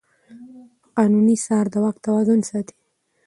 قانوني څار د واک توازن ساتي.